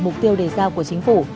mục tiêu đề giao của chính phủ